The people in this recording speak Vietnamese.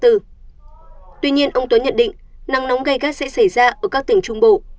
tuy nhiên ông tuấn nhận định nắng nóng gây gắt sẽ xảy ra ở các tỉnh trung bộ